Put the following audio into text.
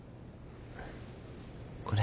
これ。